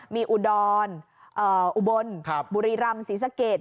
มีอุดรอุบลบุรีรำศรีสะเกด